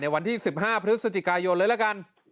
วันที่๑๕พฤศจิกายนเลยละกัน